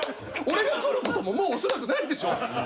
俺が来ることももうおそらくないでしょ。